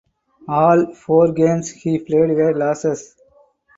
All four games he played were losses.